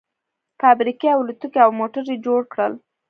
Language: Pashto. فابريکې او الوتکې او موټر يې جوړ کړل.